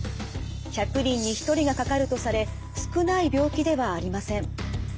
１００人に１人がかかるとされ少ない病気ではありません。